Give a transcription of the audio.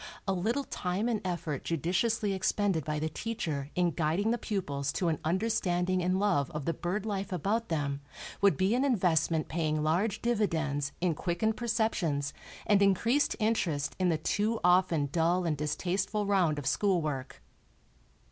A little time and effort judiciously expended by the teacher in guiding the pupils to an understanding and love of the bird life about them would be an investment paying large dividends in quickened perceptions and increased interest in the too often dull and distasteful round of school work.